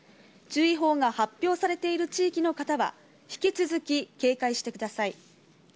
注意報が発表されている地域の方は、引き続き警戒してください。